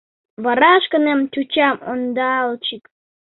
Вара шканем чучам ондалчык